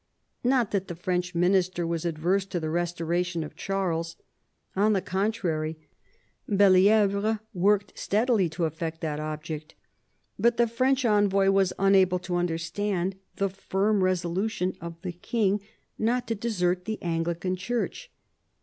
Not that the French minister was averse to the restoration of Charles. On the contrary, Belli^vre worked steadily to eflfect that object. But the French envoy was unable to understand the firm resolution of the king not to desert the Anglican Church.